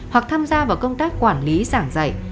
hoặc tham gia vào công tác quản lý giảng dạy